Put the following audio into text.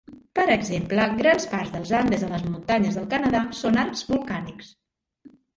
Per exemple, grans parts dels Andes a les muntanyes del Canadà són arcs vulcànics.